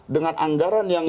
dengan anggaran yang